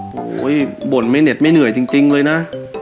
โห้ยบดไม้เหน็จไม้เหนื่อยจริงเลยนะ